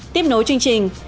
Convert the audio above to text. tiếp nối chương trình